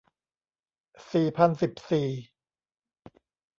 สี่พันสิบสี่